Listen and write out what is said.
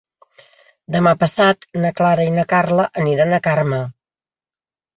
Demà passat na Clara i na Carla aniran a Carme.